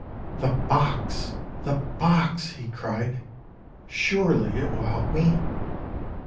"The box! the box!" he cried. "Surely it will help me!'